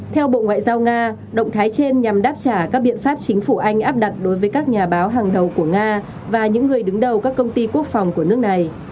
theo bộ ngoại giao nga động thái trên nhằm đáp trả các biện pháp chính phủ anh áp đặt đối với các nhà báo hàng đầu của nga và những người đứng đầu các công ty quốc phòng của nước này